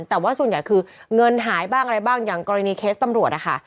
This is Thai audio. แต่ว่าส่วนใหญ่คือเงินหายบ้างอะไรบ้างอย่างกรณีเคสตำรวจนะคะ